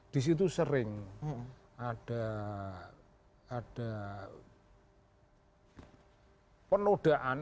di situ sering ada penodaan